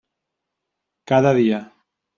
Cada dia.